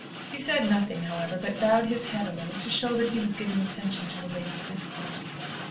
He said nothing, however, but bowed his head a little, to show that he was giving attention to the lady's discourse.